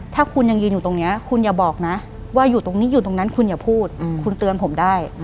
ถ้าคุณยังยืนอยู่ตรงนี้คุณอย่าบอกนะว่าอยู่ตรงนี้อยู่ตรงนั้นคุณอย่าพูดคุณเตือนผมได้